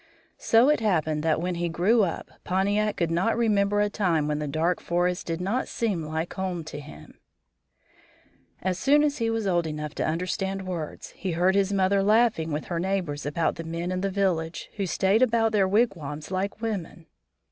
So it happened that when he grew up Pontiac could not remember a time when the dark forest did not seem like home to him. [Illustration: INDIAN SQUAW AT WORK] As soon as he was old enough to understand words, he heard his mother laughing with her neighbors about the men in the village who stayed about their wigwams like women.